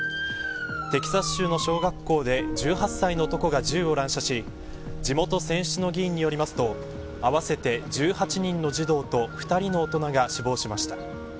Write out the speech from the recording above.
テキサス州の小学校で１８歳の男が銃を乱射し地元選出の議員によりますと合わせて１８人の児童と２人の大人が死亡しました。